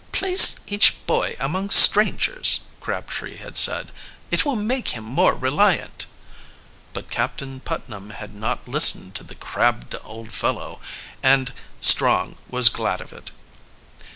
"Place each boy among strangers," Crabtree had said. "It will make him more reliant." But Captain Putnam had not listened to the crabbed old fellow, and Strong was glad of it.